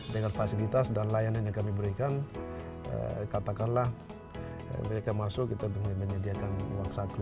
dengan fasilitas dan layanan yang kami berikan katakanlah mereka masuk kita menyediakan uang saku